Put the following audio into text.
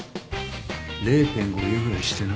０．５憂ぐらいしてない？